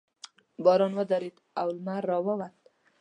باران ودرېد او لمر راووت.